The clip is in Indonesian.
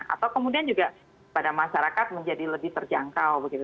atau kemudian juga pada masyarakat menjadi lebih terjangkau begitu